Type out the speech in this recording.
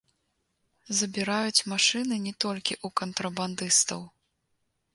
Забіраюць машыны не толькі ў кантрабандыстаў.